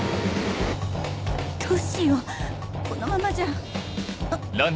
どうしようこのままじゃ。